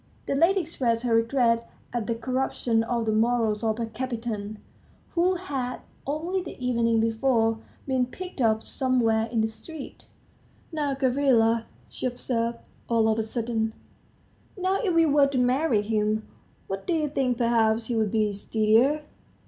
The lady expressed her regret at the corruption of the morals of Kapiton, who had, only the evening before, been picked up somewhere in the street. "Now, Gavrila," she observed, all of a sudden, "now, if we were to marry him, what do you think, perhaps he would be steadier?"